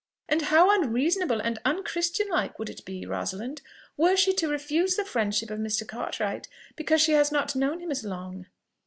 And how unreasonable and unchristianlike would it be, Rosalind, were she to refuse the friendship of Mr. Cartwright, because she has not known him as long?"